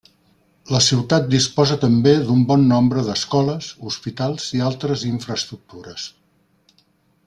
La ciutat disposa també d'un bon nombre d'escoles, hospitals i altres infraestructures.